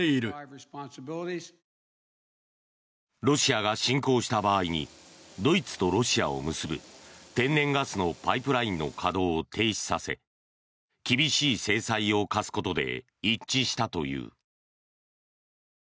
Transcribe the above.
ロシアが侵攻した場合にドイツとロシアを結ぶ天然ガスのパイプラインの稼働を停止させ厳しい制裁を科すことで一致したという。